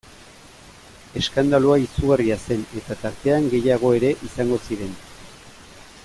Eskandalua izugarria zen eta tartean gehiago ere izango ziren...